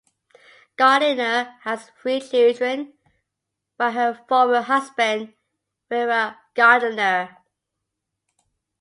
Gardiner has three children by her former husband Wira Gardiner.